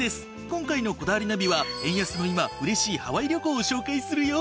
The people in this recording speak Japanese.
今回の『こだわりナビ』は円安の今うれしいハワイ旅行を紹介するよ。